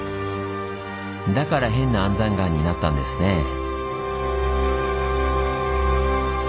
だから変な安山岩になったんですね。